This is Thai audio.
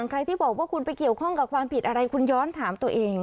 ใครที่บอกว่าคุณไปเกี่ยวข้องกับความผิดอะไรคุณย้อนถามตัวเอง